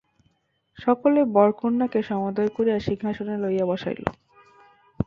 সকলে বরকন্যাকে সমাদর করিয়া সিংহাসনে লইয়া বসাইল।